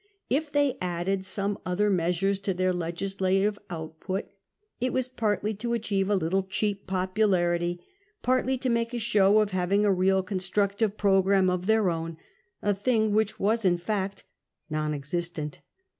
If they added some other measures to their legislative output, it was partly to achieve a little cheap popularity, partly to make a show of having a real constructive programme of their own — a thing which was, in fact, non existent.